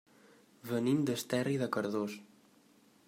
Venim d'Esterri de Cardós.